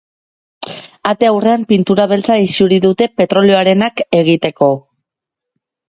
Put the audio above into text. Ate aurrean pintura beltza isuri dute, petrolioarenak egiteko.